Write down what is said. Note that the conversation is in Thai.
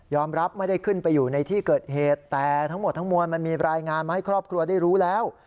รับไม่ได้ขึ้นไปอยู่ในที่เกิดเหตุแต่ทั้งหมดทั้งมวลมันมีรายงานมาให้ครอบครัวได้รู้แล้ว